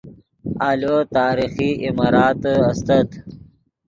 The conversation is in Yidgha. آلو تاریخی عماراتے استت